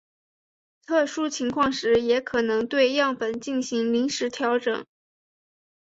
特殊情况时也可能对样本进行临时调整。